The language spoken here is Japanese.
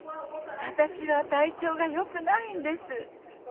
私は体調がよくないんです。